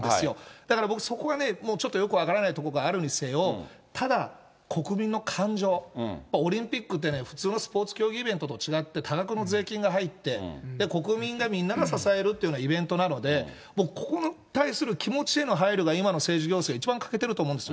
だから僕、そこはね、ちょっとよく分からないところがあるにせよ、ただ、国民の感情、やっぱりオリンピックってね、普通のスポーツ競技イベントと違って、多額の税金が入って、国民がみんなが支えるっていうようなイベントなので、僕、ここに対する気持ちへの配慮が今の政治行政、一番欠けてると思うんですよ。